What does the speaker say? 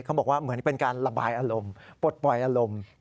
บอกว่าเหมือนเป็นการระบายอารมณ์ปลดปล่อยอารมณ์